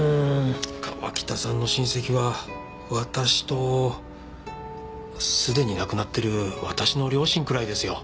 川喜多さんの親戚は私とすでに亡くなってる私の両親くらいですよ。